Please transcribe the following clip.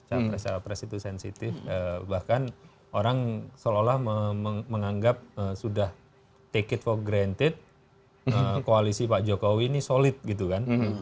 capres capres itu sensitif bahkan orang seolah olah menganggap sudah take it for granted koalisi pak jokowi ini solid gitu kan